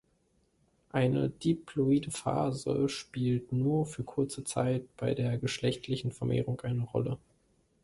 Eine diploide Phase spielt nur für kurze Zeit bei der geschlechtlichen Vermehrung eine Rolle.